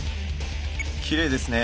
きれいですね。